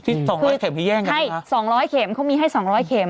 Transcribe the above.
ที่๒๐๐เข็มให้แย่งกันหรือเปล่าครับครับใช่๒๐๐เข็มเขามีให้๒๐๐เข็ม